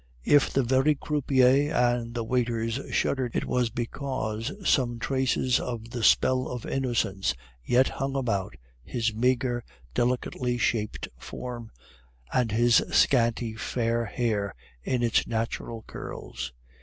If the very croupier and the waiters shuddered, it was because some traces of the spell of innocence yet hung about his meagre, delicately shaped form, and his scanty fair hair in its natural curls.